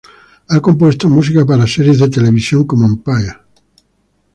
Ha compuesto música para series de televisión como "Empire".